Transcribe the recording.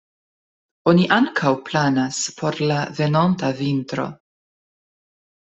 Oni ankaŭ planas por la venonta vintro.